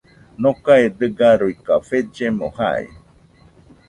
Nokae dɨga ruikafellemo jai